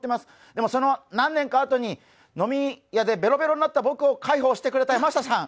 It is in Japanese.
でも、その何年かあとに飲み屋でベロベロになった僕を介抱してくれた山下さん